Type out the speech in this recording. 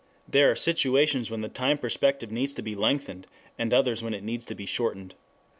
There are situations when the time perspective needs to be lengthened, and others when it needs to be shortened.